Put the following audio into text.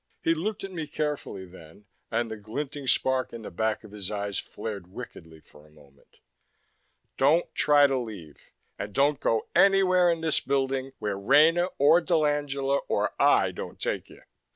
He looked at me carefully, then, and the glinting spark in the back of his eyes flared wickedly for a moment. "Don't try to leave. And don't go anywhere in this building where Rena or dell'Angela or I don't take you."